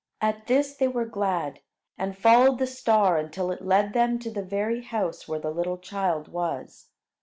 At this they were glad, and followed the star until it led them to the very house where the little child was.